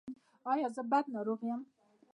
ایا زه بد ناروغ یم؟